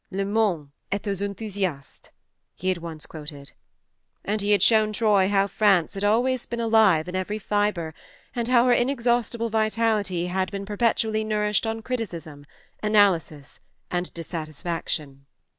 "Le monde est aux 44 THE MARNE enthousiastes," he had once quoted ; and he had shown Troy how France had always been alive in every fibre, and how her inexhaustible vitality had been per petually nourished on criticism, analysis and dissatisfaction.